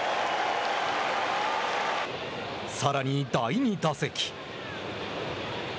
さらに第２打席。